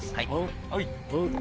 はい。